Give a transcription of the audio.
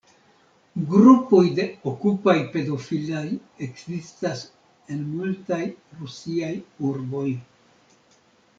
Grupoj de "Okupaj-pedofilaj" ekzistas en multaj rusiaj urboj.